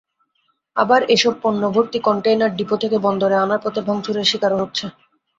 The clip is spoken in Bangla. আবার এসব পণ্যভর্তি কনটেইনার ডিপো থেকে বন্দরে আনার পথে ভাঙচুরের শিকারও হচ্ছে।